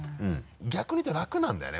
逆に言うと楽なんだよね